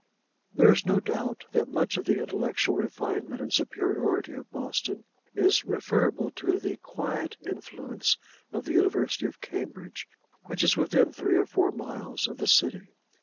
There is no doubt that much of the intellectual refinement and superiority of Boston, is referable to the quiet influence of the University of Cambridge, which is within three or four miles of the city.